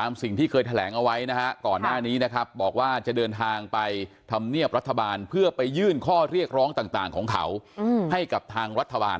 ตามสิ่งที่เคยแถลงเอาไว้นะฮะก่อนหน้านี้นะครับบอกว่าจะเดินทางไปทำเนียบรัฐบาลเพื่อไปยื่นข้อเรียกร้องต่างของเขาให้กับทางรัฐบาล